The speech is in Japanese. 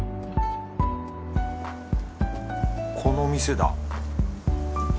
この店だ。